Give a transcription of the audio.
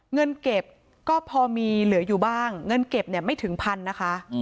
เงินเก็บก็พอมีเหลืออยู่บ้างเงินเก็บเนี่ยไม่ถึงพันนะคะ